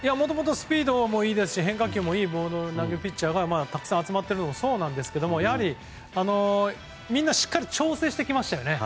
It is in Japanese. スピードも変化球もいいボールを投げるピッチャーが集まっているのもそうなんですがやはりみんなしっかり調整してきましたよね。